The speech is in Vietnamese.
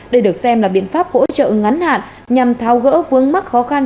đây được xem là biện pháp hỗ trợ ngắn hạn nhằm thao gỡ vướng mắc khó khăn